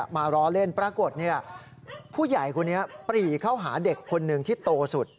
มาล้อเล่นปรากฏผู้ใหญ่คนนี้ปรีเข้าหาเด็กคนหนึ่งที่โตสุด